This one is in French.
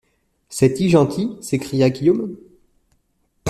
C’est-y gentil! s’écria Guillaume.